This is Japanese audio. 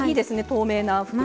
透明な袋。